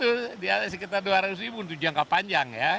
luas totalnya ya itu sekitar dua ratus ribu untuk jangka panjang ya